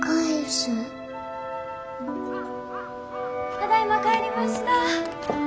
・ただいま帰りました。